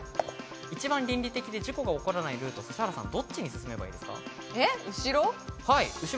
一番倫理的で事故が起こらないのはどっちに進めばいいですか？